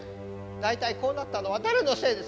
大体こうなったのは誰のせいです。